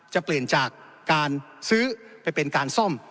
จะเปลี่ยนจากการซื้อไปเป็นการซ่อม